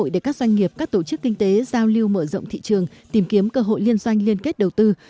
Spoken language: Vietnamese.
để các doanh nghiệp các tổ chức kinh tế giao lưu mở rộng thị trường tìm kiếm cơ hội liên doanh liên kết đầu tư